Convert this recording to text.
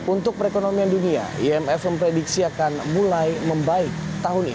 untuk perekonomian dunia imf memprediksi akan mulai membaik tahun ini